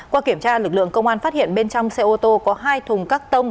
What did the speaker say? qua kiểm tra lực lượng công an phát hiện bên trong xe ô tô có hai thùng các tông